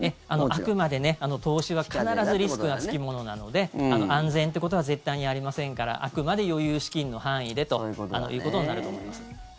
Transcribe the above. あくまでね投資は必ずリスクが付き物で安全っていうことは絶対にありませんからあくまで余裕資金の範囲でということになると思います。